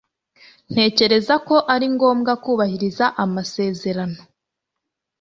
Ntekereza ko ari ngombwa kubahiriza amasezerano.